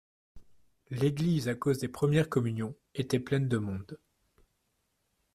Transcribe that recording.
L'église, à cause des premières communions était pleine de monde.